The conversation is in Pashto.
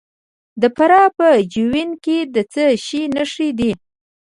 د فراه په جوین کې د څه شي نښې دي؟